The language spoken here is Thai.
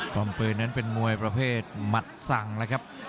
ความปืนนั้นเป็นมวยประเภทหมัดสั่งแล้วครับ